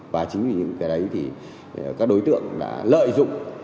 và chính vì những cái đấy thì các đối tượng đã lợi dụng